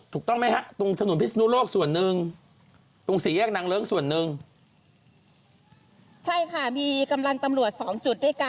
ถูกต้องหรือไม่คะ